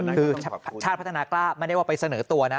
คือชาติพัฒนากล้าไม่ได้ว่าไปเสนอตัวนะ